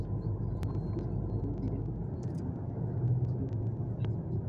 watu zaidi ya mia nane walipoteza maisha